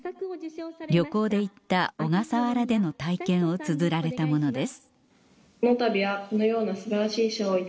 旅行で行った小笠原での体験をつづられたものです